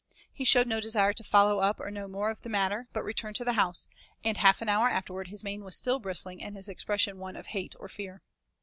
He showed no desire to follow up or know more of the matter, but returned to the house, and half an hour afterward his mane was still bristling and his expression one of hate or fear.